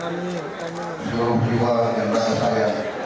untuk jiwa dan rakyat saya